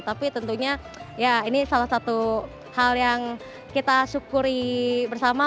tapi tentunya ya ini salah satu hal yang kita syukuri bersama